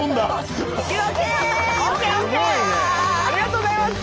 ありがとうございます！